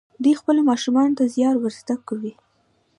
دوی خپلو ماشومانو ته زیار ور زده کوي.